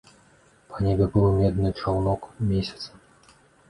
Па небе плыў медны чаўнок месяца.